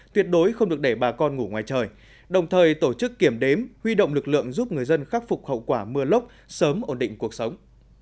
tuyệt đối không được để bà con ngủ ngoài trời đồng thời tổ chức kiểm đếm huy động lực lượng giúp người dân khắc phục hậu quả mưa lốc sớm ổn định cuộc sống